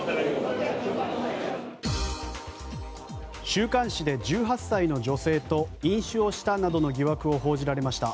週刊誌で１８歳の女性と飲酒をしたなどの疑惑を報じられました